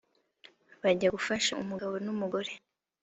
bajya gufasha umugabo n’umugore